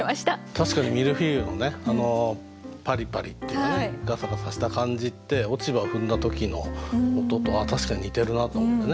確かにミルフィーユのねパリパリっていうかねガサガサした感じって落ち葉を踏んだ時の音と確かに似てるなと思ってね